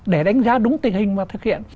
để đánh giá đúng tình hình mà thực hiện